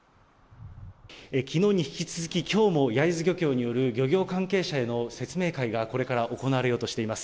きのうに引き続き、きょうも焼津漁協による漁業関係者への説明会がこれから行われようとしています。